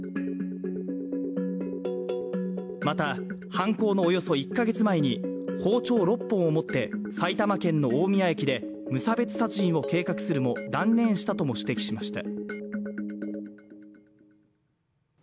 また犯行のおよそ１か月前に包丁６本を持って埼玉県の大宮駅で無差別殺人を計画するも断念したとも指摘しました。